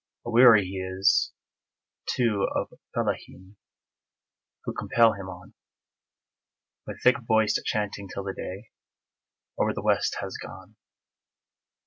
Aweary is he, too, of fellàheen Who compel him on, With thick voiced chanting till the day Over the West has gone.